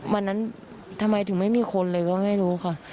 วันนั้นทำไมถึงไม่มีคนเลยก็ไม่รู้ค่ะ